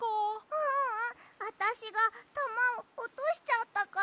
ううん。あたしがたまをおとしちゃったから。